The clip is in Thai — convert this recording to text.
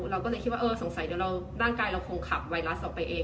เราก็เลยคิดว่าเออสงสัยเดี๋ยวเราร่างกายเราคงขับไวรัสออกไปเอง